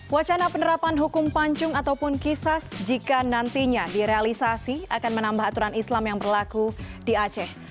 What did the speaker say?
wacana penerapan hukum pancung ataupun kisas jika nantinya direalisasi akan menambah aturan islam yang berlaku di aceh